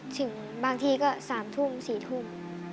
ถึงบางทีก็๓ทุ่ม๔ทุ่ม